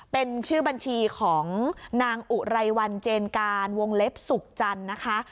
เป็นชื่อบัญชีของนางอุไรวันเจนการวงเล็บสุขจันทร์นะคะ